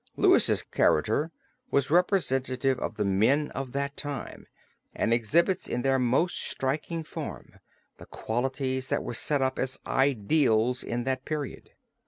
Louis' character was representative of the men of that time and exhibits in their most striking form the qualities that were set up as ideals in that period.